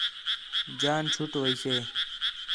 جان چُھٹ ویسے